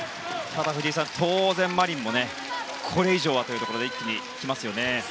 ただ藤井さん、当然マリンもこれ以上はということで一気にきますよね。